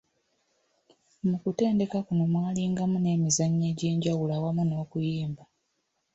Mu kutendeka kuno mwalingamu n'emizannyo egy'enjawulo awamu n'okuyimba